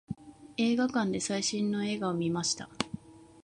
映画館で最新の映画を見ました。